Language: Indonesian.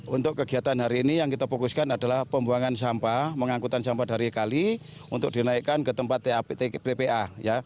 untuk kegiatan hari ini yang kita fokuskan adalah pembuangan sampah mengangkutan sampah dari kali untuk dinaikkan ke tempat tpa